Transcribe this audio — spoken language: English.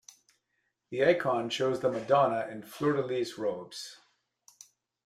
The icon shows the Madonna in fleur-de-lis robes.